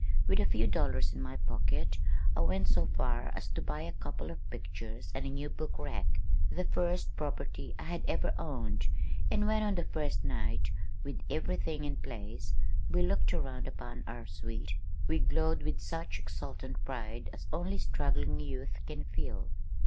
With a few dollars in my pocket, I went so far as to buy a couple of pictures and a new book rack, the first property I had ever owned, and when, on that first night, with everything in place we looked around upon our "suite," we glowed with such exultant pride as only struggling youth can feel.